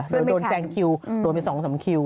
โดยโดนแซงคิวโดยโดนไปสองสามคิว